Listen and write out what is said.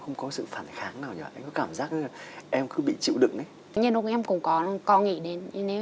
không có sự phản kháng nào nhỉ cảm giác em cứ bị chịu đựng đấy nhưng em cũng có con nghĩ đến nếu